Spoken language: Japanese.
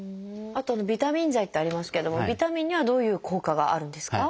あとビタミン剤ってありますけどもビタミンにはどういう効果があるんですか？